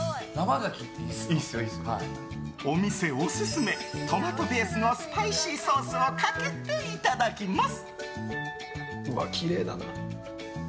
お店オススメトマトベースのスパイシーソースをかけていただきます。